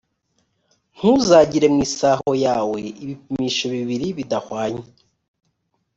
ntuzagire mu isaho yawe ibipimisho bibiri bidahwanye,